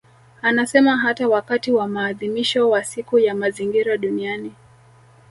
Anasema hata wakati wa maadhimisho wa Siku ya Mazingira Duniani